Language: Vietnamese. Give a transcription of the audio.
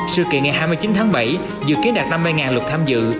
sự kiện ngày hai mươi chín tháng bảy dự kiến đạt năm mươi lượt tham dự